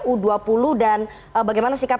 u dua puluh dan bagaimana sikap